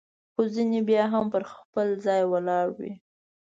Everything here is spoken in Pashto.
خو ځیني بیا هم پر خپل ځای ولاړ وي.